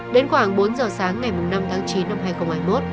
đến khoảng bốn giờ sáng ngày năm tháng chín năm hai nghìn hai mươi một